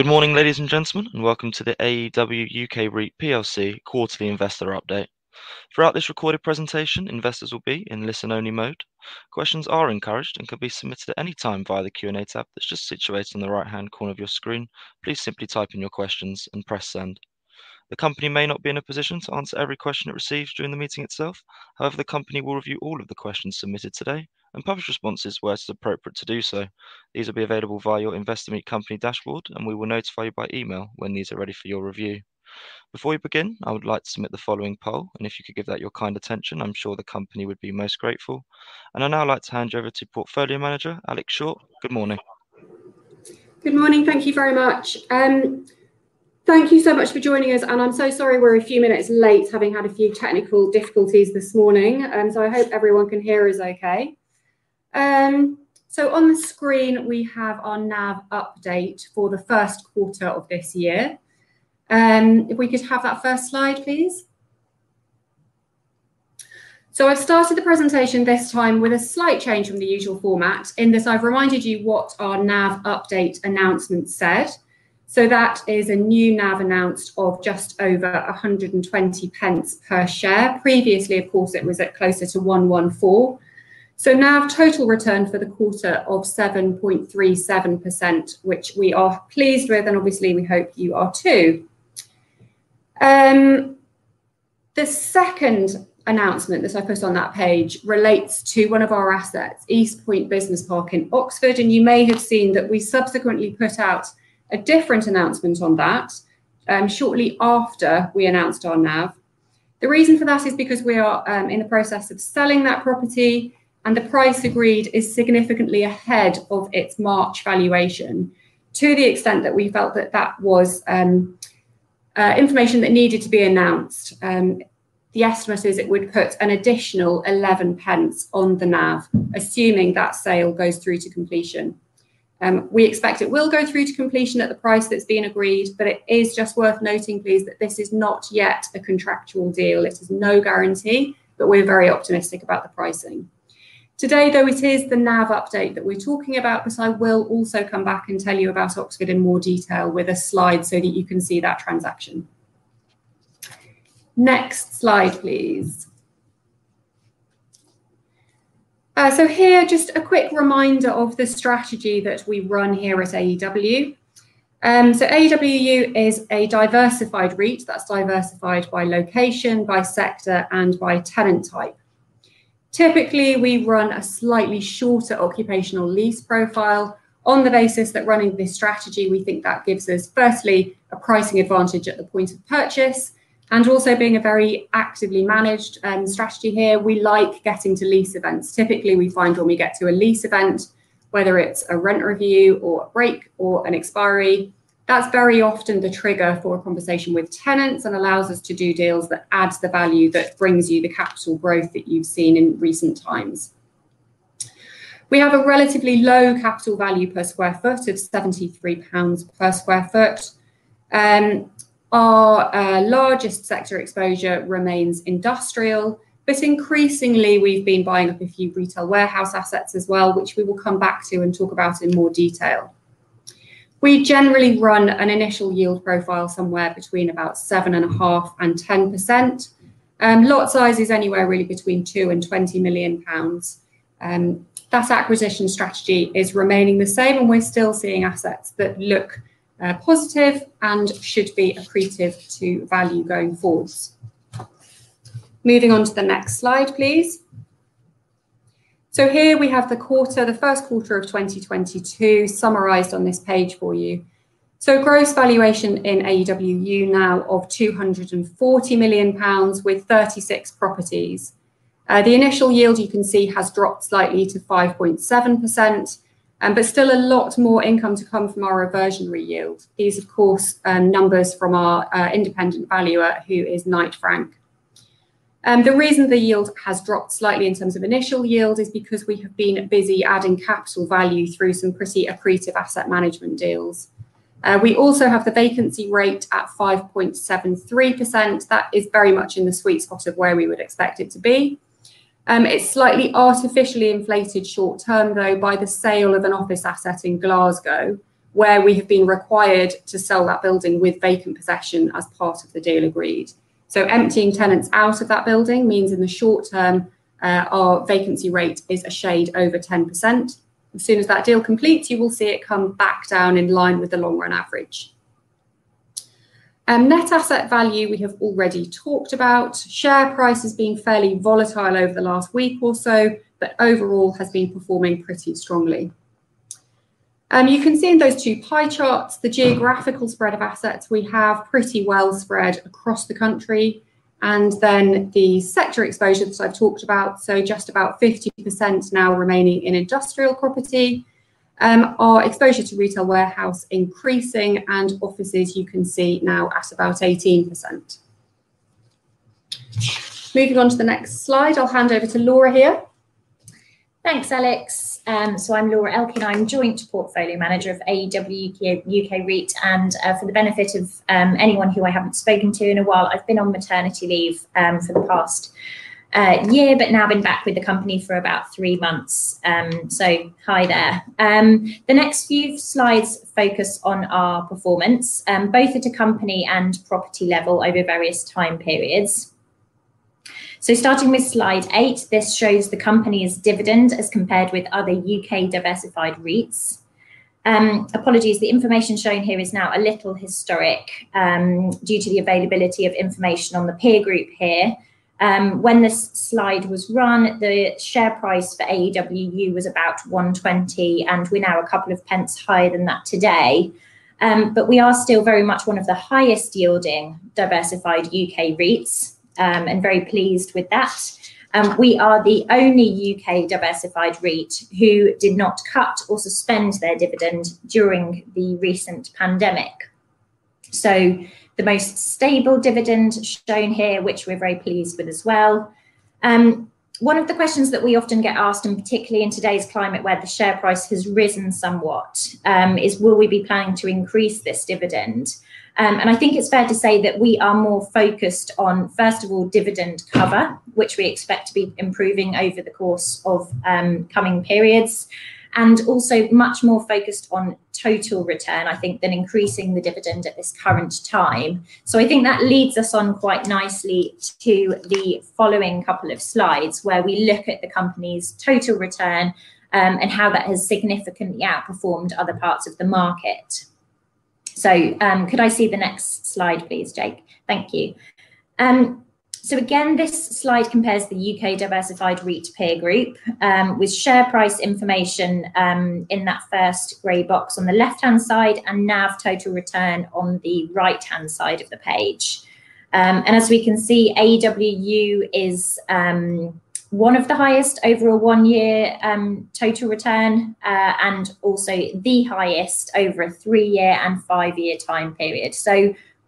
Good morning, ladies and gentlemen, and welcome to the AEW UK REIT plc quarterly investor update. Throughout this recorded presentation, investors will be in listen-only mode. Questions are encouraged and can be submitted at any time via the Q&A tab that's just situated in the right-hand corner of your screen. Please simply type in your questions and press send. The company may not be in a position to answer every question it receives during the meeting itself. However, the company will review all of the questions submitted today and publish responses where it is appropriate to do so. These will be available via your Investor Meet Company dashboard, and we will notify you by email when these are ready for your review. Before we begin, I would like to submit the following poll, and if you could give that your kind attention, I'm sure the company would be most grateful. I'd now like to hand you over to Portfolio Manager, Alex Short. Good morning. Good morning. Thank you very much. Thank you so much for joining us, and I'm so sorry we're a few minutes late, having had a few technical difficulties this morning. I hope everyone can hear us okay. On the screen, we have our NAV update for the first quarter of this year. If we could have that first slide, please. I've started the presentation this time with a slight change from the usual format. In this, I've reminded you what our NAV update announcement said. That is a new NAV announced of just over 1.20 per share. Previously, of course, it was at closer to 1.14. NAV total return for the quarter of 7.37%, which we are pleased with, and obviously we hope you are too. The second announcement that I put on that page relates to one of our assets, Eastpoint Business Park in Oxford, and you may have seen that we subsequently put out a different announcement on that, shortly after we announced our NAV. The reason for that is because we are in the process of selling that property, and the price agreed is significantly ahead of its March valuation to the extent that we felt that that was information that needed to be announced. The estimate is it would put an additional 0.11 on the NAV, assuming that sale goes through to completion. We expect it will go through to completion at the price that's been agreed, but it is just worth noting, please, that this is not yet a contractual deal. It is no guarantee, but we're very optimistic about the pricing. Today, though, it is the NAV update that we're talking about, but I will also come back and tell you about Oxford in more detail with a slide so that you can see that transaction. Next slide, please. Here, just a quick reminder of the strategy that we run here at AEWU. AEWU is a diversified REIT that's diversified by location, by sector, and by tenant type. Typically, we run a slightly shorter occupational lease profile on the basis that running this strategy, we think that gives us, firstly, a pricing advantage at the point of purchase, and also being a very actively managed strategy here, we like getting to lease events. Typically, we find when we get to a lease event, whether it's a rent review or a break or an expiry, that's very often the trigger for a conversation with tenants and allows us to do deals that adds the value that brings you the capital growth that you've seen in recent times. We have a relatively low capital value per square foot of 73 pounds per square foot. Our largest sector exposure remains industrial, but increasingly we've been buying up a few retail warehouse assets as well, which we will come back to and talk about in more detail. We generally run an initial yield profile somewhere between about 7.5% and 10%. Lot size is anywhere really between 2 million-20 million pounds. That acquisition strategy is remaining the same, and we're still seeing assets that look positive and should be accretive to value going forwards. Moving on to the next slide, please. Here we have the quarter, the first quarter of 2022 summarized on this page for you. Gross valuation in AEWU now up 240 million pounds with 36 properties. The initial yield you can see has dropped slightly to 5.7%, but still a lot more income to come from our reversionary yield. These, of course, numbers from our independent valuer, who is Knight Frank. The reason the yield has dropped slightly in terms of initial yield is because we have been busy adding capital value through some pretty accretive asset management deals. We also have the vacancy rate at 5.73%. That is very much in the sweet spot of where we would expect it to be. It's slightly artificially inflated short term, though, by the sale of an office asset in Glasgow, where we have been required to sell that building with vacant possession as part of the deal agreed. Emptying tenants out of that building means in the short term, our vacancy rate is a shade over 10%. As soon as that deal completes, you will see it come back down in line with the long-run average. Net asset value we have already talked about. Share price has been fairly volatile over the last week or so, but overall has been performing pretty strongly. You can see in those two pie charts the geographical spread of assets. We have pretty well spread across the country. The sector exposures I've talked about, so just about 50% now remaining in industrial property. Our exposure to retail warehouse increasing and offices you can see now at about 18%. Moving on to the next slide, I'll hand over to Laura here. Thanks, Alex. I'm Laura Elkin. I'm joint Portfolio Manager of AEW UK REIT. For the benefit of anyone who I haven't spoken to in a while, I've been on maternity leave for the past year, but now been back with the company for about three months. Hi there. The next few slides focus on our performance both at a company and property level over various time periods. Starting with slide eight, this shows the company's dividend as compared with other UK diversified REITs. Apologies, the information shown here is now a little historic, due to the availability of information on the peer group here. When this slide was run, the share price for AEWU was about 1.20, and we're now a couple of pence higher than that today. We are still very much one of the highest yielding diversified UK REITs, and very pleased with that. We are the only UK diversified REIT who did not cut or suspend their dividend during the recent pandemic. The most stable dividend shown here, which we're very pleased with as well. One of the questions that we often get asked, and particularly in today's climate where the share price has risen somewhat, is will we be planning to increase this dividend? I think it's fair to say that we are more focused on, first of all, dividend cover, which we expect to be improving over the course of coming periods, and also much more focused on total return, I think, than increasing the dividend at this current time. I think that leads us on quite nicely to the following couple of slides, where we look at the company's total return, and how that has significantly outperformed other parts of the market. Could I see the next slide, please, Jake? Thank you. Again, this slide compares the UK diversified REIT peer group with share price information in that first gray box on the left-hand side and NAV total return on the right-hand side of the page. As we can see, AEWU is one of the highest over a one-year total return and also the highest over a three-year and five-year time period.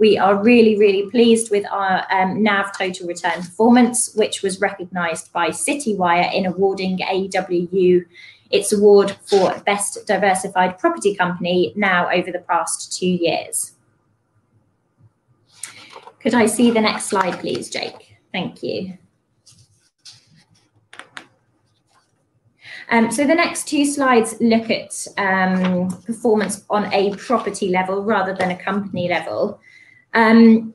We are really, really pleased with our NAV total return performance, which was recognized by Citywire in awarding AEWU its award for Best Diversified Property Company now over the past two years. Could I see the next slide, please, Jake? Thank you. The next two slides look at performance on a property level rather than a company level. Our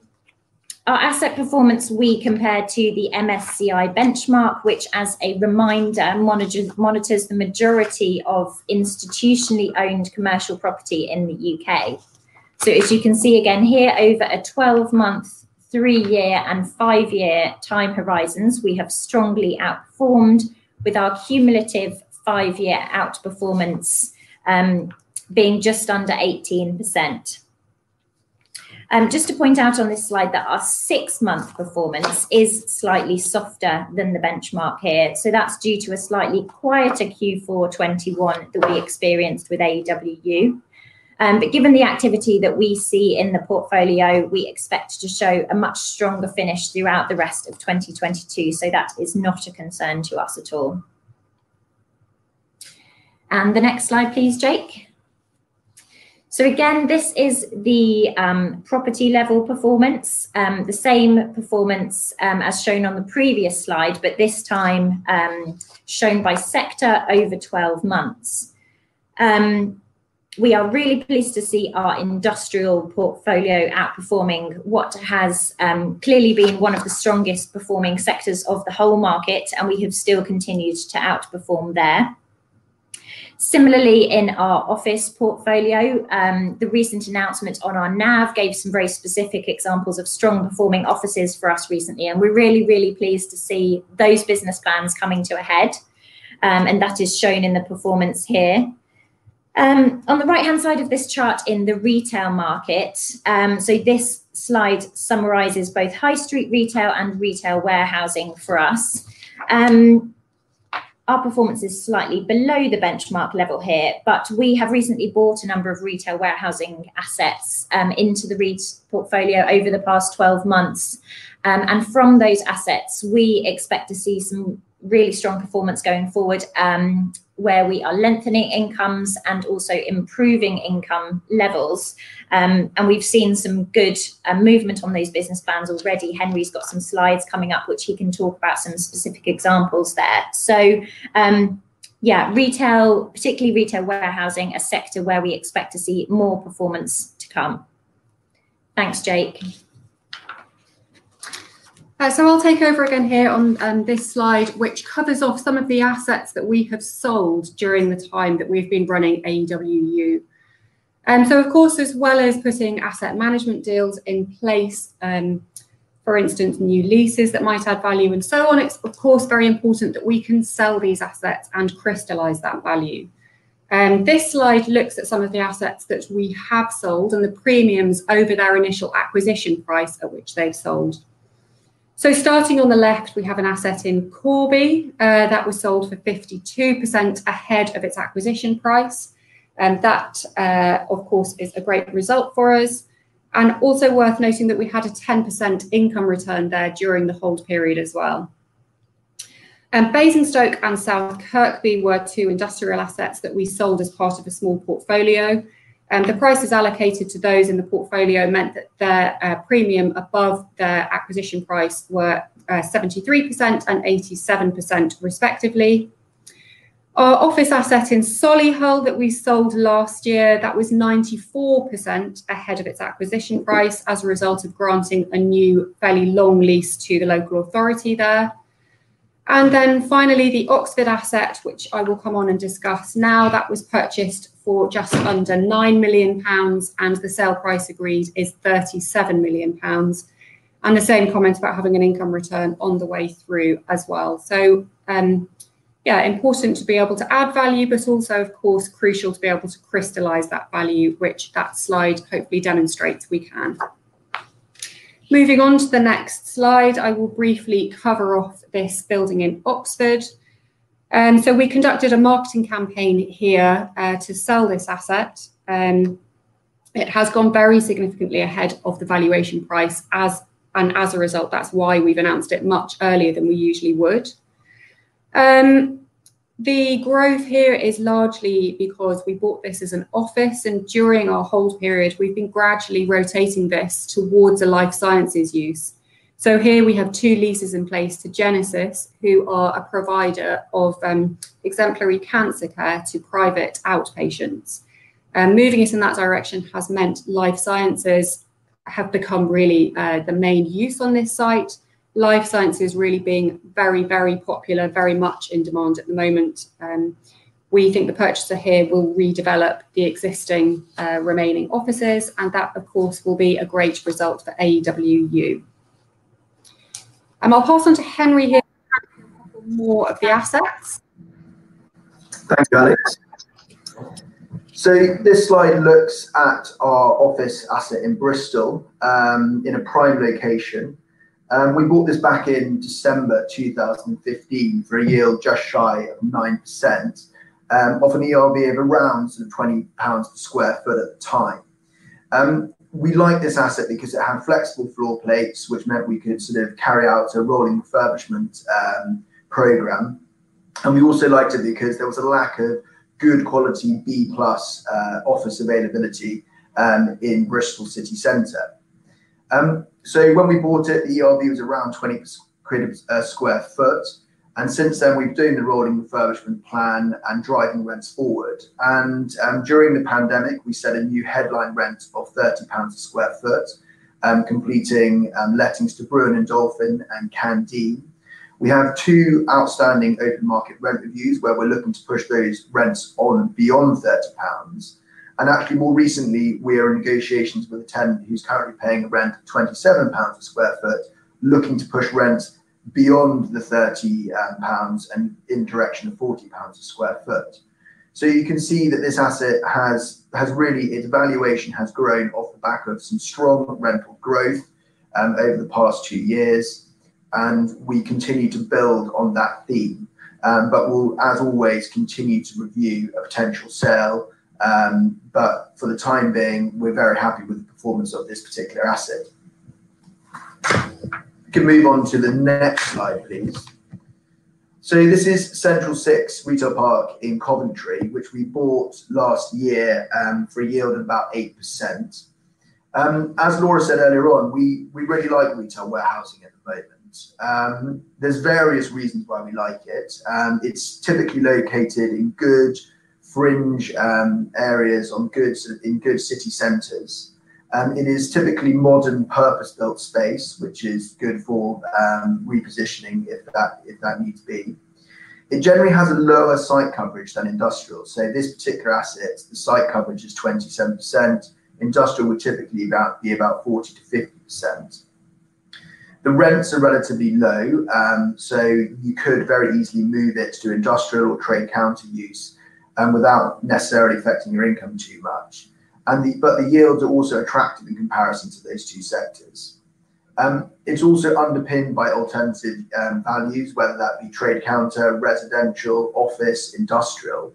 asset performance we compare to the MSCI benchmark, which, as a reminder, monitors the majority of institutionally owned commercial property in the U.K. As you can see again here, over a 12-month, three-year, and five-year time horizons, we have strongly outperformed with our cumulative five-year outperformance being just under 18%. Just to point out on this slide that our six-month performance is slightly softer than the benchmark here. That's due to a slightly quieter Q4 2021 that we experienced with AEWU. Given the activity that we see in the portfolio, we expect to show a much stronger finish throughout the rest of 2022, so that is not a concern to us at all. The next slide, please, Jake. Again, this is the property-level performance, the same performance as shown on the previous slide, but this time shown by sector over 12 months. We are really pleased to see our industrial portfolio outperforming what has clearly been one of the strongest performing sectors of the whole market, and we have still continued to outperform there. Similarly, in our office portfolio, the recent announcement on our NAV gave some very specific examples of strong performing offices for us recently, and we're really, really pleased to see those business plans coming to a head, and that is shown in the performance here. On the right-hand side of this chart in the retail market, so this slide summarizes both high street retail and retail warehousing for us. Our performance is slightly below the benchmark level here, but we have recently bought a number of retail warehousing assets into the REIT's portfolio over the past 12 months. From those assets, we expect to see some really strong performance going forward, where we are lengthening incomes and also improving income levels. We've seen some good movement on those business plans already. Henry's got some slides coming up, which he can talk about some specific examples there. Yeah, retail, particularly retail warehousing, a sector where we expect to see more performance to come. Thanks, Jake. I'll take over again here on this slide, which covers off some of the assets that we have sold during the time that we've been running AEWU. Of course, as well as putting asset management deals in place, for instance, new leases that might add value and so on, it's of course very important that we can sell these assets and crystallize that value. This slide looks at some of the assets that we have sold and the premiums over their initial acquisition price at which they've sold. Starting on the left, we have an asset in Corby that was sold for 52% ahead of its acquisition price. That, of course, is a great result for us, and also worth noting that we had a 10% income return there during the hold period as well. Basingstoke and South Kirkby were two industrial assets that we sold as part of a small portfolio. The prices allocated to those in the portfolio meant that their premium above their acquisition price were 73% and 87% respectively. Our office asset in Solihull that we sold last year, that was 94% ahead of its acquisition price as a result of granting a new fairly long lease to the local authority there. Finally, the Oxford asset, which I will come on and discuss now, that was purchased for just under 9 million pounds, and the sale price agreed is 37 million pounds. The same comment about having an income return on the way through as well. Yeah, important to be able to add value, but also, of course, crucial to be able to crystallize that value, which that slide hopefully demonstrates we can. Moving on to the next slide, I will briefly cover off this building in Oxford. We conducted a marketing campaign here to sell this asset. It has gone very significantly ahead of the valuation price, and as a result, that's why we've announced it much earlier than we usually would. The growth here is largely because we bought this as an office, and during our hold period, we've been gradually rotating this towards a life sciences use. Here we have two leases in place to Genesis, who are a provider of exemplary cancer care to private outpatients. Moving it in that direction has meant life sciences have become really the main use on this site. Life sciences really being very, very popular, very much in demand at the moment. We think the purchaser here will redevelop the existing remaining offices, and that, of course, will be a great result for AEWU. I'll pass on to Henry here to talk on more of the assets. Thanks, Alex. This slide looks at our office asset in Bristol in a prime location. We bought this back in December 2015 for a yield just shy of 9% of an ERV of around sort of 20 pounds a square foot at the time. We liked this asset because it had flexible floor plates, which meant we could sort of carry out a rolling refurbishment program. We also liked it because there was a lack of good quality B+ office availability in Bristol City Centre. When we bought it, the ERV was around 20 quid a square foot, and since then we've done the rolling refurbishment plan and driving rents forward. During the pandemic, we set a new headline rent of 30 pounds a square foot, completing lettings to Brewin Dolphin and Candine. We have two outstanding open market rent reviews where we're looking to push those rents on beyond 30 pounds. Actually, more recently, we are in negotiations with a tenant who's currently paying a rent of 27 pounds a square foot, looking to push rent beyond the 30 pounds and in direction of 40 pounds a square foot. You can see that this asset has really its valuation has grown off the back of some strong rental growth over the past two years, and we continue to build on that theme. We'll, as always, continue to review a potential sale. For the time being, we're very happy with the performance of this particular asset. If we can move on to the next slide, please. This is Central Six Retail Park in Coventry, which we bought last year for a yield of about 8%. As Laura said earlier on, we really like retail warehousing at the moment. There's various reasons why we like it. It's typically located in good fringe areas in good city centers. It is typically modern purpose-built space, which is good for repositioning if that needs be. It generally has a lower site coverage than industrial. This particular asset, the site coverage is 27%. Industrial would typically be about 40%-50%. The rents are relatively low, so you could very easily move it to industrial or trade counter use without necessarily affecting your income too much. The yields are also attractive in comparison to those two sectors. It's also underpinned by alternative values, whether that be trade counter, residential, office, industrial.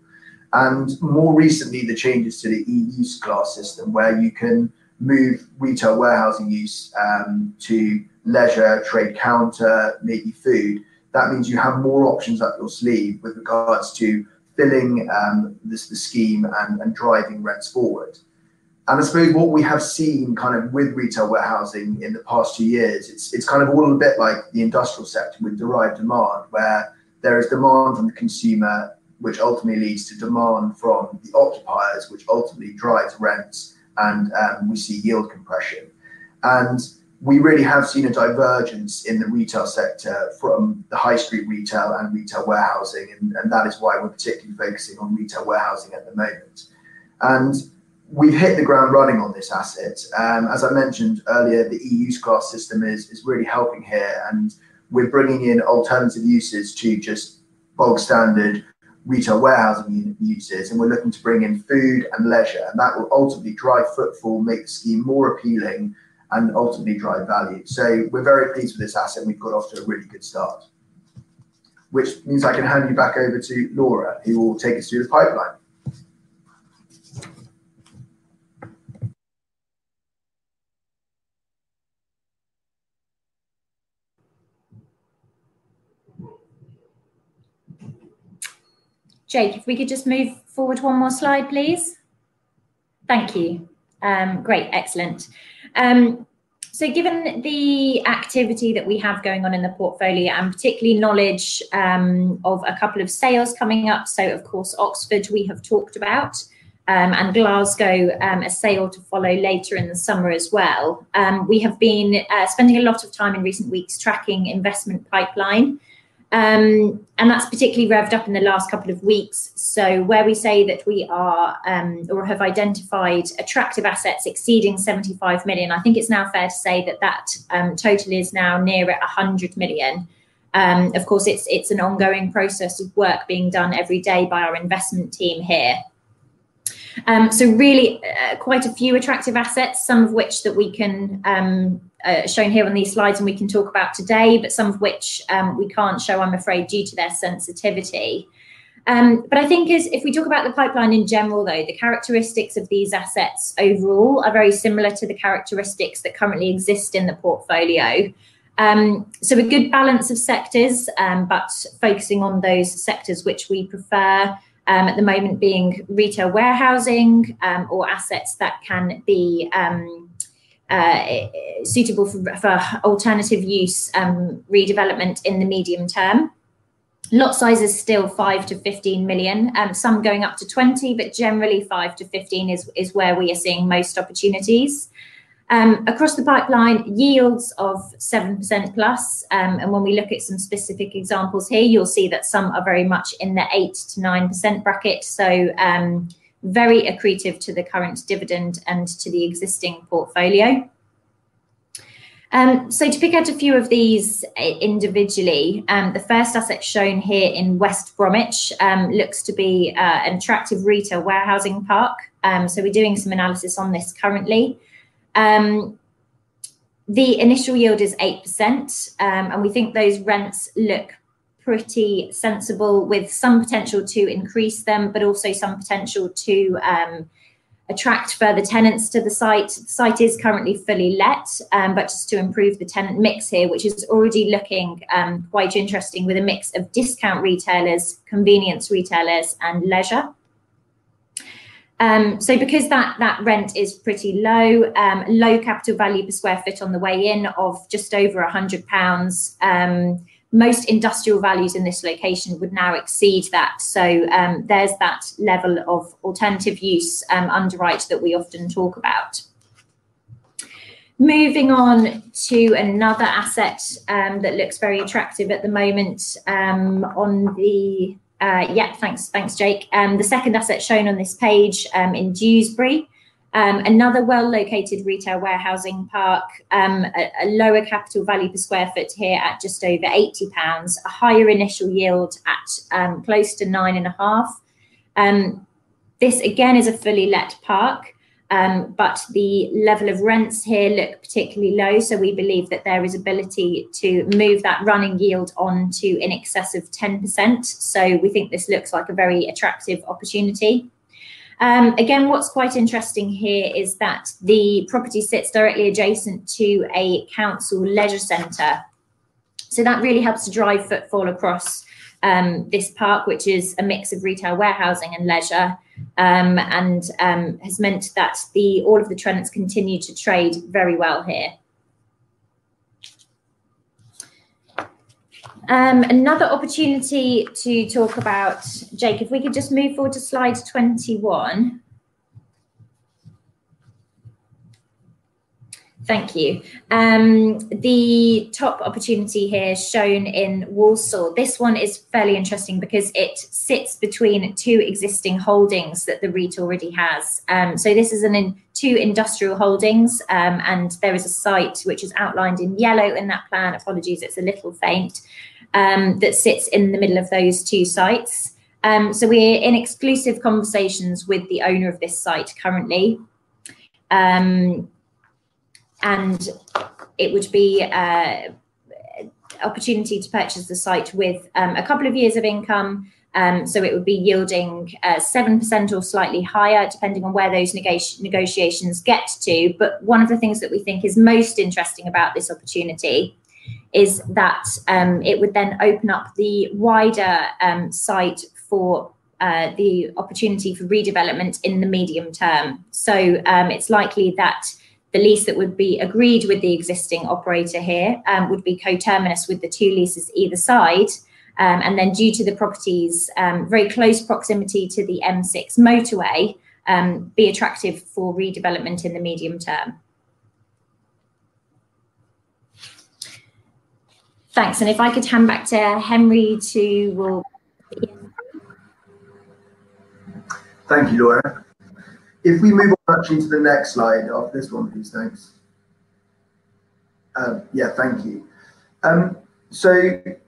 More recently, the changes to the E Use Class system, where you can move retail warehousing use to leisure, trade counter, maybe food. That means you have more options up your sleeve with regards to filling the scheme and driving rents forward. I suppose what we have seen kind of with retail warehousing in the past two years, it's kind of all a bit like the industrial sector with derived demand, where there is demand from the consumer, which ultimately leads to demand from the occupiers, which ultimately drives rents and we see yield compression. We really have seen a divergence in the retail sector from the high street retail and retail warehousing, and that is why we're particularly focusing on retail warehousing at the moment. We've hit the ground running on this asset. As I mentioned earlier, the E Use Class system is really helping here, and we're bringing in alternative uses to just bog standard retail warehousing uses. We're looking to bring in food and leisure, and that will ultimately drive footfall, make the scheme more appealing and ultimately drive value. We're very pleased with this asset, and we've got off to a really good start. Which means I can hand you back over to Laura, who will take us through the pipeline. Jake, if we could just move forward one more slide, please. Thank you. Great. Excellent. Given the activity that we have going on in the portfolio and particularly knowledge of a couple of sales coming up, of course, Oxford we have talked about, and Glasgow, a sale to follow later in the summer as well. We have been spending a lot of time in recent weeks tracking investment pipeline. That's particularly revved up in the last couple of weeks. Where we say that we are, or have identified attractive assets exceeding 75 million, I think it's now fair to say that that total is now nearer 100 million. Of course, it's an ongoing process of work being done every day by our investment team here. Really, quite a few attractive assets, some of which we can show here on these slides, and we can talk about today, but some of which we can't show, I'm afraid, due to their sensitivity. I think if we talk about the pipeline in general, though, the characteristics of these assets overall are very similar to the characteristics that currently exist in the portfolio. A good balance of sectors, but focusing on those sectors which we prefer, at the moment being retail warehousing, or assets that can be suitable for alternative use, redevelopment in the medium term. Lot size is still 5 million-15 million, some going up to 20 million, but generally 5 million-15 million is where we are seeing most opportunities. Across the pipeline, yields of 7%+. When we look at some specific examples here, you'll see that some are very much in the 8%-9% bracket, very accretive to the current dividend and to the existing portfolio. To pick out a few of these individually, the first asset shown here in West Bromwich looks to be an attractive retail warehousing park. We're doing some analysis on this currently. The initial yield is 8%, and we think those rents look pretty sensible with some potential to increase them, but also some potential to attract further tenants to the site. The site is currently fully let, but just to improve the tenant mix here, which is already looking quite interesting with a mix of discount retailers, convenience retailers, and leisure. Because that rent is pretty low, low capital value per square foot on the way in of just over 100 pounds, most industrial values in this location would now exceed that. There's that level of alternative use underwriting that we often talk about. Moving on to another asset that looks very attractive at the moment. Yeah, thanks. Thanks, Jake. The second asset shown on this page, in Dewsbury, another well-located retail warehousing park. A lower capital value per square foot here at just over 80 pounds. A higher initial yield at close to 9.5%. This again is a fully let park, but the level of rents here look particularly low, so we believe that there is ability to move that running yield on to in excess of 10%. We think this looks like a very attractive opportunity. Again, what's quite interesting here is that the property sits directly adjacent to a council leisure center. That really helps to drive footfall across this park, which is a mix of retail warehousing and leisure, and has meant that all of the tenants continue to trade very well here. Another opportunity to talk about, Jake, if we could just move forward to slide 21. Thank you. The top opportunity here shown in Walsall. This one is fairly interesting because it sits between two existing holdings that the REIT already has. This is in two industrial holdings, and there is a site which is outlined in yellow in that plan, apologies, it's a little faint, that sits in the middle of those two sites. We're in exclusive conversations with the owner of this site currently. It would be opportunity to purchase the site with a couple of years of income. It would be yielding 7% or slightly higher, depending on where those negotiations get to. One of the things that we think is most interesting about this opportunity is that it would then open up the wider site for the opportunity for redevelopment in the medium term. It's likely that the lease that would be agreed with the existing operator here would be coterminous with the two leases either side. Due to the property's very close proximity to the M6 motorway, be attractive for redevelopment in the medium term. Thanks. If I could hand back to Henry to begin. Thank you, Laura. If we move on to the next slide after this one, please. Thanks. Yeah, thank you.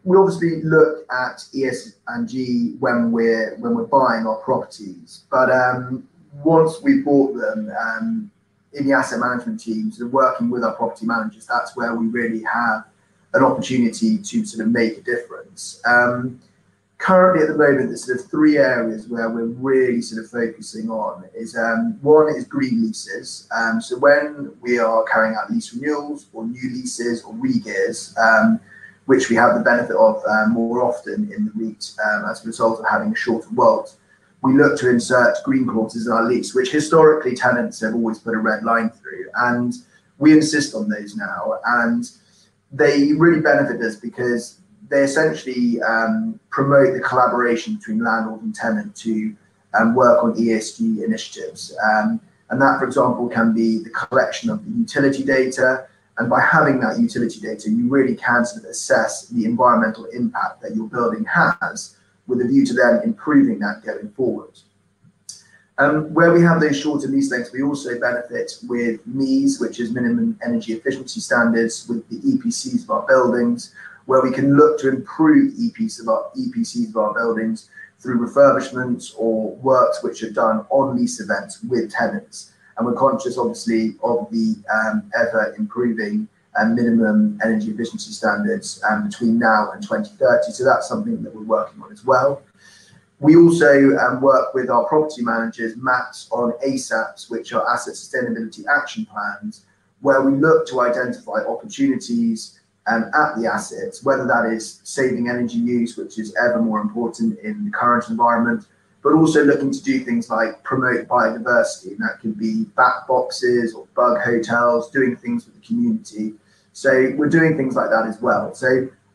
We obviously look at ESG when we're buying our properties. Once we've bought them, in the asset management teams and working with our property managers, that's where we really have an opportunity to sort of make a difference. Currently at the moment, there's sort of three areas where we're really sort of focusing on is, one is green leases. When we are carrying out lease renewals or new leases or regears, which we have the benefit of, more often in the REIT, as a result of having shorter WALT. We look to insert green clauses in our lease, which historically tenants have always put a red line through. We insist on those now. They really benefit us because they essentially promote the collaboration between landlord and tenant to work on ESG initiatives. That, for example, can be the collection of the utility data, and by having that utility data, you really can sort of assess the environmental impact that your building has with a view to then improving that going forward. Where we have those short leases and lease lengths, we also benefit with MEES, which is Minimum Energy Efficiency Standards, with the EPCs of our buildings, where we can look to improve EPCs of our buildings through refurbishments or works which are done on lease events with tenants. We're conscious obviously of the ever-improving minimum energy efficiency standards between now and 2030. That's something that we're working on as well. We also work with our property managers, Mapp, on ASAPs, which are Asset Sustainability Action Plans, where we look to identify opportunities at the assets, whether that is saving energy use, which is ever more important in the current environment. Also looking to do things like promote biodiversity, and that can be bat boxes or bug hotels, doing things for the community. We're doing things like that as well.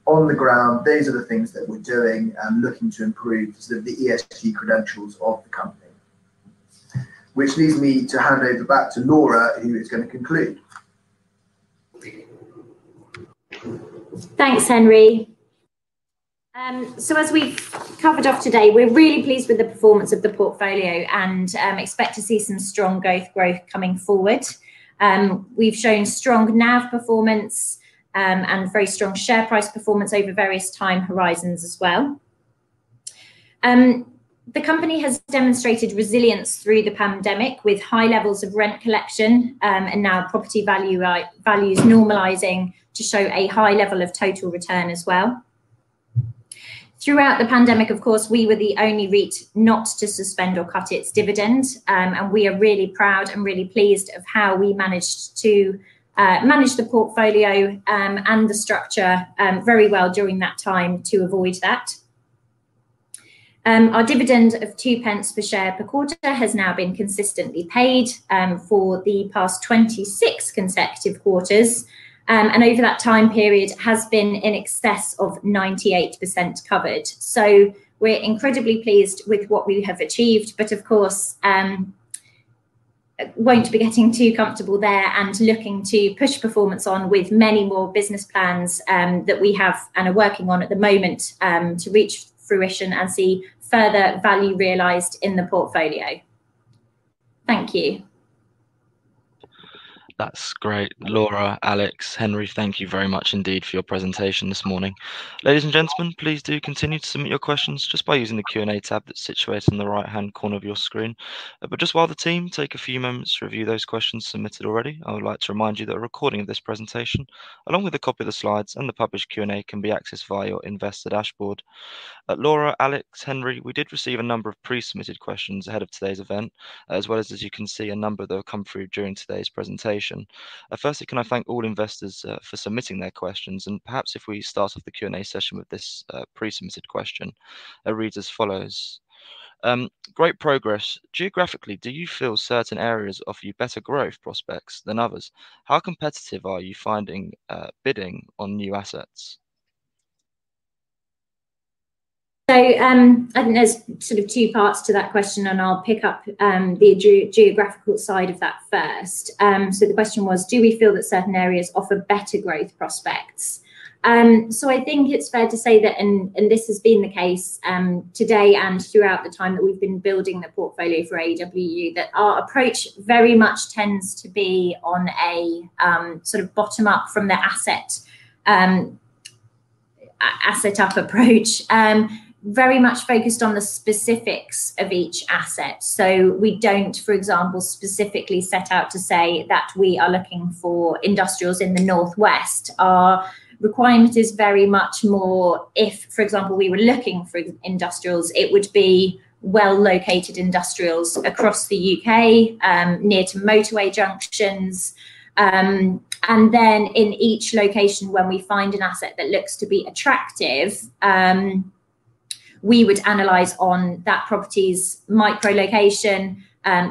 On the ground, those are the things that we're doing and looking to improve sort of the ESG credentials of the company. Which leads me to hand over back to Laura, who is gonna conclude. Thanks, Henry. So as we've covered off today, we're really pleased with the performance of the portfolio and expect to see some strong growth coming forward. We've shown strong NAV performance and very strong share price performance over various time horizons as well. The company has demonstrated resilience through the pandemic with high levels of rent collection and now property values normalizing to show a high level of total return as well. Throughout the pandemic, of course, we were the only REIT not to suspend or cut its dividend and we are really proud and really pleased of how we managed to manage the portfolio and the structure very well during that time to avoid that. Our dividend of 0.02 per share per quarter has now been consistently paid for the past 26 consecutive quarters, and over that time period has been in excess of 98% covered. We're incredibly pleased with what we have achieved, but of course won't be getting too comfortable there and looking to push performance on with many more business plans that we have and are working on at the moment to reach fruition and see further value realized in the portfolio. Thank you. That's great. Laura, Alex, Henry, thank you very much indeed for your presentation this morning. Ladies and gentlemen, please do continue to submit your questions just by using the Q&A tab that's situated in the right-hand corner of your screen. Just while the team take a few moments to review those questions submitted already, I would like to remind you that a recording of this presentation, along with a copy of the slides and the published Q&A, can be accessed via your investor dashboard. Laura, Alex, Henry, we did receive a number of pre-submitted questions ahead of today's event, as well, as you can see, a number that have come through during today's presentation. Firstly, can I thank all investors for submitting their questions, and perhaps if we start off the Q&A session with this pre-submitted question. It reads as follows: Great progress. Geographically, do you feel certain areas offer you better growth prospects than others? How competitive are you finding, bidding on new assets? I think there's sort of two parts to that question, and I'll pick up the geographical side of that first. The question was, do we feel that certain areas offer better growth prospects? I think it's fair to say that, and this has been the case today and throughout the time that we've been building the portfolio for AEWU, that our approach very much tends to be on a sort of bottom up from the asset up approach, very much focused on the specifics of each asset. We don't, for example, specifically set out to say that we are looking for industrials in the North West. Our requirement is very much more if, for example, we were looking for industrials, it would be well-located industrials across the U.K., near to motorway junctions. In each location, when we find an asset that looks to be attractive, we would analyze on that property's micro location.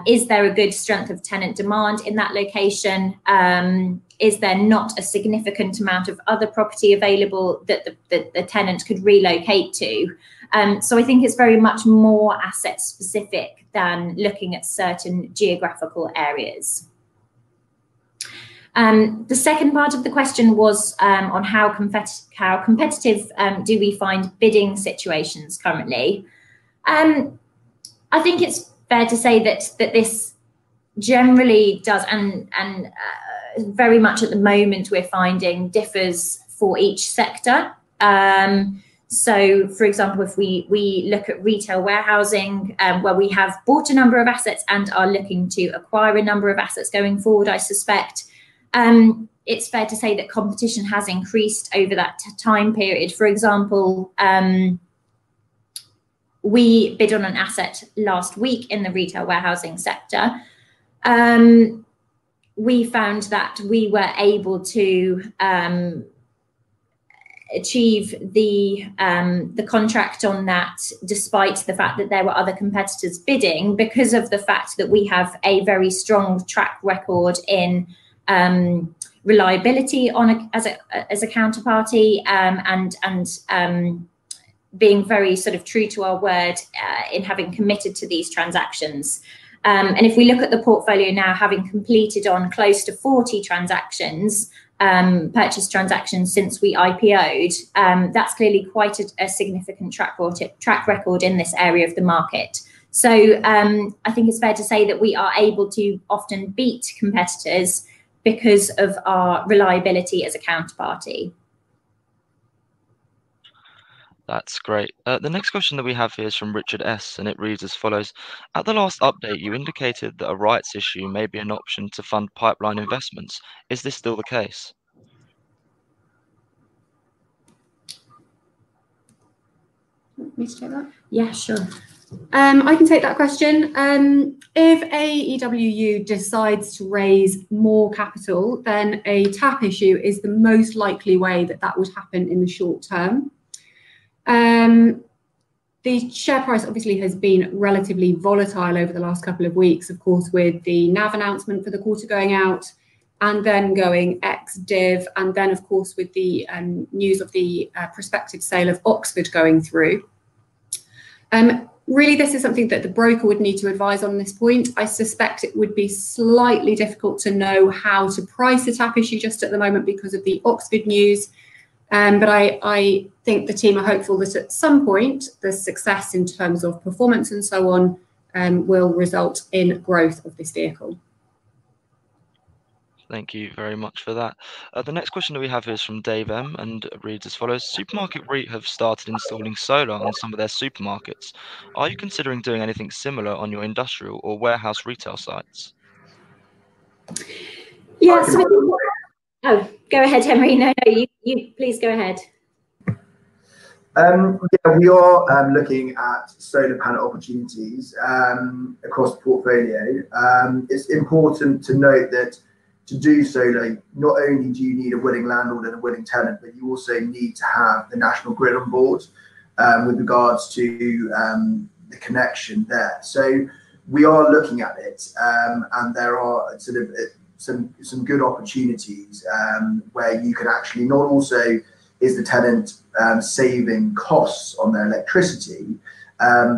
Is there a good strength of tenant demand in that location? Is there not a significant amount of other property available that the tenant could relocate to? I think it's very much more asset specific than looking at certain geographical areas. The second part of the question was on how competitive do we find bidding situations currently. I think it's fair to say that this generally does and very much at the moment we're finding it differs for each sector. For example, if we look at retail warehousing, where we have bought a number of assets and are looking to acquire a number of assets going forward, I suspect it's fair to say that competition has increased over that time period. For example, we bid on an asset last week in the retail warehousing sector. We found that we were able to achieve the contract on that despite the fact that there were other competitors bidding because of the fact that we have a very strong track record in reliability as a counterparty, and being very sort of true to our word in having committed to these transactions. If we look at the portfolio now having completed on close to 40 purchase transactions since we IPOd, that's clearly quite a significant track record in this area of the market. I think it's fair to say that we are able to often beat competitors because of our reliability as a counterparty. That's great. The next question that we have here is from Richard S, and it reads as follows, "At the last update you indicated that a rights issue may be an option to fund pipeline investments. Is this still the case? Want me to take that? Yeah, sure. I can take that question. If AEWU decides to raise more capital, a tap issue is the most likely way that would happen in the short term. The share price obviously has been relatively volatile over the last couple of weeks, of course, with the NAV announcement for the quarter going out and then going ex-div, and then of course with the news of the prospective sale of Oxford going through. Really, this is something that the broker would need to advise on this point. I suspect it would be slightly difficult to know how to price a tap issue just at the moment because of the Oxford news. I think the team are hopeful that at some point the success in terms of performance and so on will result in growth of this vehicle. Thank you very much for that. The next question that we have here is from Dave M and reads as follows, "Supermarket REIT have started installing solar on some of their supermarkets. Are you considering doing anything similar on your industrial or warehouse retail sites? Yeah, so, oh, go ahead Henry. No, you please go ahead. Yeah, we are looking at solar panel opportunities across the portfolio. It's important to note that to do solar not only do you need a willing landlord and a willing tenant, but you also need to have the National Grid on board with regards to the connection there. We are looking at it, and there are sort of some good opportunities where you could actually not only is the tenant saving costs on their electricity,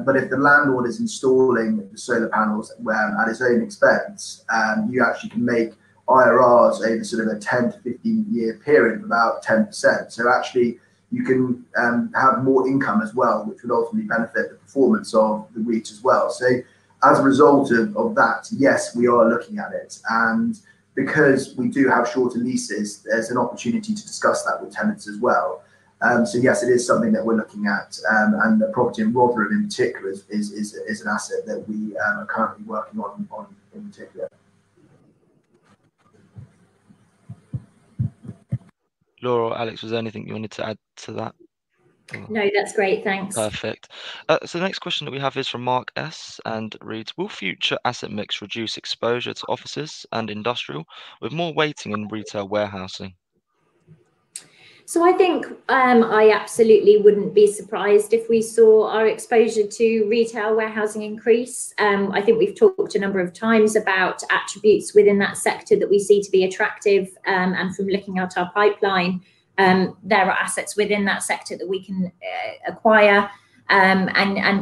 but if the landlord is installing the solar panels at his own expense, you actually can make IRRs over sort of a 10 to 15-year period of about 10%. Actually you can have more income as well, which would ultimately benefit the performance of the REIT as well. As a result of that, yes, we are looking at it, and because we do have shorter leases, there's an opportunity to discuss that with tenants as well. Yes, it is something that we're looking at. The property in Rotherham in particular is an asset that we are currently working on in particular. Laura or Alex, was there anything you wanted to add to that? No, that's great. Thanks. Perfect. The next question that we have is from Mark S and reads, "Will future asset mix reduce exposure to offices and industrial with more weighting in retail warehousing? I think I absolutely wouldn't be surprised if we saw our exposure to retail warehousing increase. I think we've talked a number of times about attributes within that sector that we see to be attractive, and from looking at our pipeline, there are assets within that sector that we can acquire, and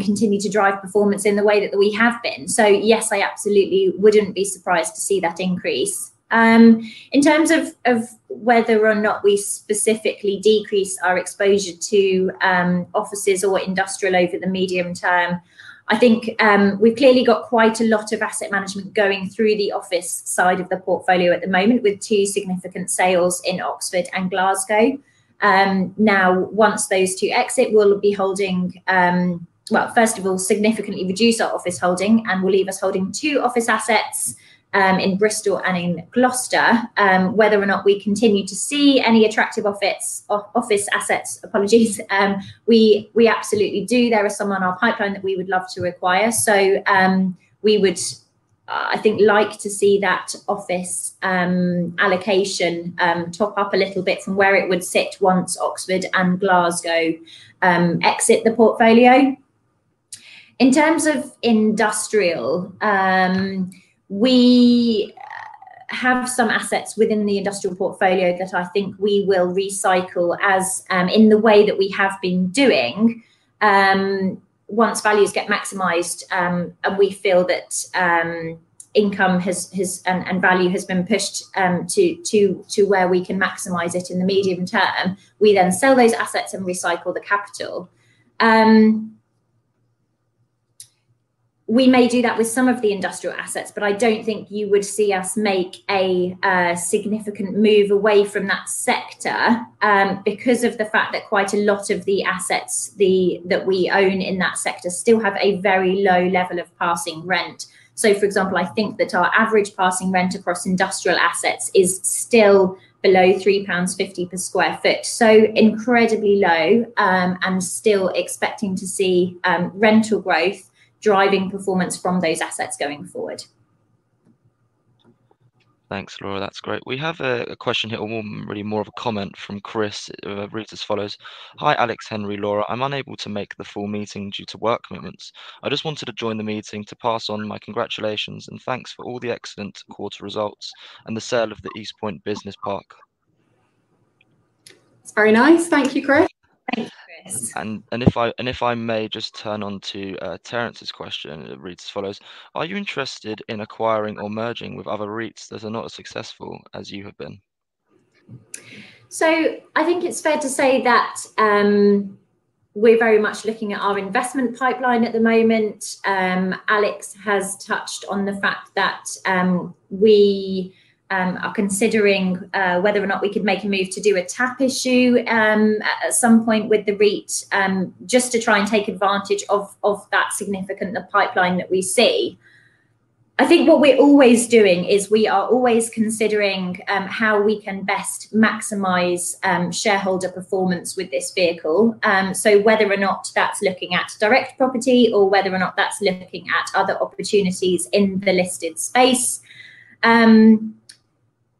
continue to drive performance in the way that we have been. Yes, I absolutely wouldn't be surprised to see that increase. In terms of whether or not we specifically decrease our exposure to offices or industrial over the medium term, I think we've clearly got quite a lot of asset management going through the office side of the portfolio at the moment with two significant sales in Oxford and Glasgow. Now once those two exit, we'll be holding. Well, first of all, significantly reduce our office holding, and will leave us holding two office assets in Bristol and in Gloucester. Whether or not we continue to see any attractive office assets, apologies, we absolutely do. There are some on our pipeline that we would love to acquire, so we would, I think like to see that office allocation top up a little bit from where it would sit once Oxford and Glasgow exit the portfolio. In terms of industrial, we have some assets within the industrial portfolio that I think we will recycle as in the way that we have been doing. Once values get maximized, and we feel that income has and value has been pushed to where we can maximize it in the medium term, we then sell those assets and recycle the capital. We may do that with some of the industrial assets, but I don't think you would see us make a significant move away from that sector, because of the fact that quite a lot of the assets that we own in that sector still have a very low level of passing rent. For example, I think that our average passing rent across industrial assets is still below 3.50 pounds per square foot, so incredibly low, and still expecting to see rental growth driving performance from those assets going forward. Thanks, Laura. That's great. We have a question here, or more, really more of a comment from Chris. It reads as follows: "Hi Alex, Henry, Laura. I'm unable to make the full meeting due to work commitments. I just wanted to join the meeting to pass on my congratulations and thanks for all the excellent quarter results and the sale of the Eastpoint Business Park. That's very nice. Thank you Chris. Thank you Chris. If I may just turn to Terrence's question. It reads as follows: "Are you interested in acquiring or merging with other REITs that are not as successful as you have been? I think it's fair to say that we're very much looking at our investment pipeline at the moment. Alex has touched on the fact that we are considering whether or not we could make a move to do a tap issue at some point with the REIT just to try and take advantage of the significant pipeline that we see. I think what we're always doing is we are always considering how we can best maximize shareholder performance with this vehicle. Whether or not that's looking at direct property or whether or not that's looking at other opportunities in the listed space,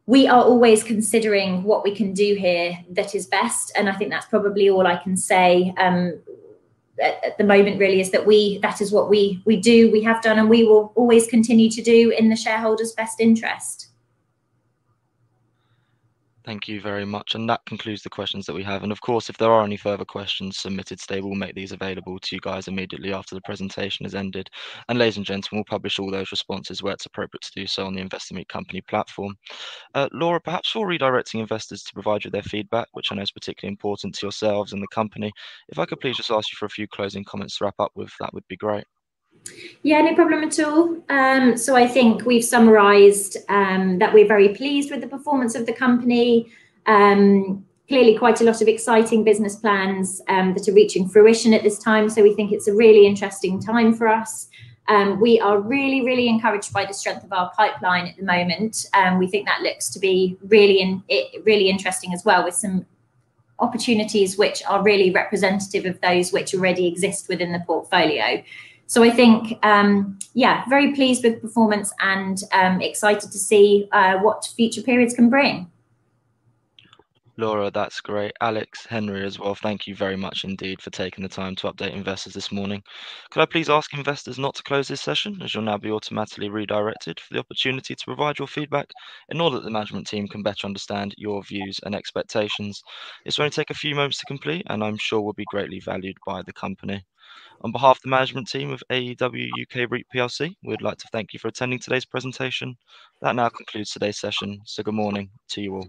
we are always considering what we can do here that is best, and I think that's probably all I can say at the moment. Really, that is what we do, we have done, and we will always continue to do in the shareholders' best interest. Thank you very much. That concludes the questions that we have. Of course, if there are any further questions submitted today, we'll make these available to you guys immediately after the presentation has ended. Ladies and gentlemen, we'll publish all those responses where it's appropriate to do so on the Investor Meet Company platform. Laura, perhaps while redirecting investors to provide you their feedback, which I know is particularly important to yourselves and the company, if I could please just ask you for a few closing comments to wrap up with, that would be great. Yeah, no problem at all. I think we've summarized that we're very pleased with the performance of the company. Clearly quite a lot of exciting business plans that are reaching fruition at this time, so we think it's a really interesting time for us. We are really, really encouraged by the strength of our pipeline at the moment, and we think that looks to be really interesting as well with some opportunities which are really representative of those which already exist within the portfolio. I think, yeah, very pleased with the performance and excited to see what future periods can bring. Laura, that's great. Alex, Henry as well, thank you very much indeed for taking the time to update investors this morning. Could I please ask investors not to close this session, as you'll now be automatically redirected for the opportunity to provide your feedback in order that the management team can better understand your views and expectations. This will only take a few moments to complete and I'm sure will be greatly valued by the company. On behalf of the management team of AEW UK REIT plc, we'd like to thank you for attending today's presentation. That now concludes today's session. Good morning to you all.